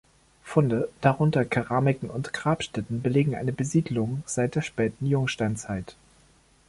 Funde, darunter Keramiken und Grabstätten, belegen eine Besiedlung seit der späten Jungsteinzeit.